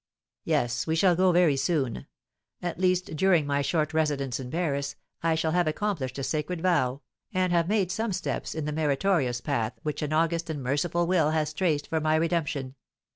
"Yes, we shall go very soon. At least, during my short residence in Paris, I shall have accomplished a sacred vow, and have made some steps in the meritorious path which an august and merciful will has traced for my redemption.